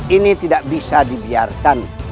ini tidak bisa dibiarkan